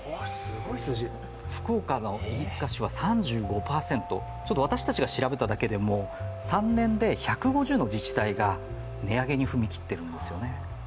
福岡の飯塚市は３５％私たちが調べただけでも３年で１５０の自治体が値上げに踏み切っているんですよね。